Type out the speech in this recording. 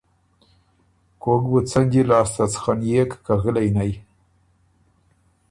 کوک بُو څنجی لاسته څخنېک که غِلئ نئ،